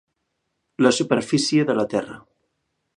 La superfície de la terra.